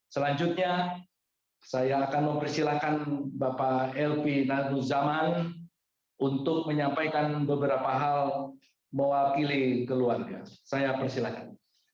selanjutnya saya akan mempersilahkan bapak lp nadu zaman untuk menyampaikan beberapa hal mewakili keluarga saya persilahkan